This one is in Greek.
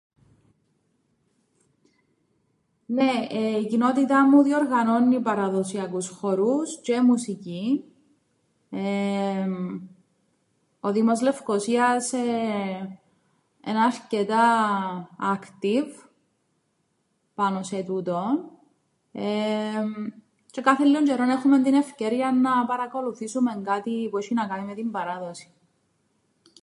"Νναι, η κοινότητα μου διοργανώννει παραδοσιακούς χωρούς τζ̆αι μουσικ΄ην. Ο Δήμος Λευκωσίας εν' αρκετά ""άκτιβ"" πάνω σε τούτον, εεμ τζ̆αι κάθε λλίον τζ̆αιρόν έχουμεν την ευκαιρίαν να παρακολουθήσουμεν κάτι που έσ̆ει να κάμει με την παράδοσην."